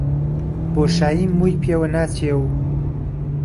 بۆشاییم مووی پێوە ناچێ و